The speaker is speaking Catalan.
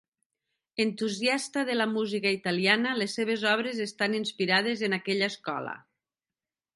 Entusiasta de la música italiana, les seves obres estan inspirades en aquella escola.